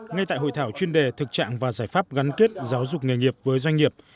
ngay tại hội thảo chuyên đề thực trạng và giải pháp gắn kết giáo dục nghề nghiệp với doanh nghiệp